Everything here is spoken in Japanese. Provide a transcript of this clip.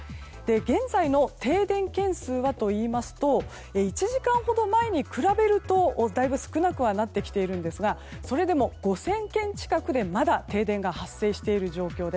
現在の停電軒数はといいますと１時間ほど前に比べるとだいぶ少なくはなってきているんですがそれでも５０００軒近くでまだ停電が発生しています。